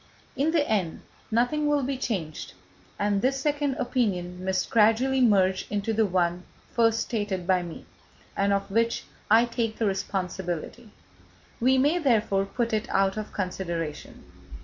In the end, nothing will be changed, and this second opinion must gradually merge into the one first stated by me, and of which I take the responsibility. We may, therefore, put it out of consideration.